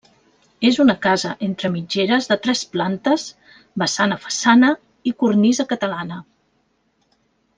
És una casa entre mitgeres de tres plantes, vessant a façana i cornisa catalana.